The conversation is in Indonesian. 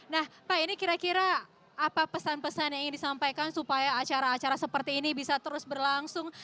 nah pak ini kira kira apa pesan pesan yang ingin disampaikan supaya acara acara seperti ini bisa terus berlangsung